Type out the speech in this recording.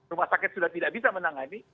rumah sakit sudah tidak bisa menangani